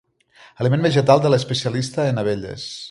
Aliment vegetal de l'especialista en abelles.